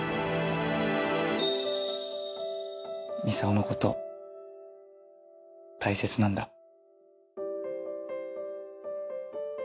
美紗緒のこと大切なんだ